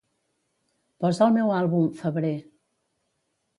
Posa el meu àlbum "Febrer".